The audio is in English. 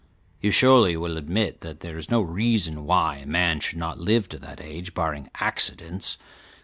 You surely will admit that there is no reason why a man should not live to that age, barring accidents.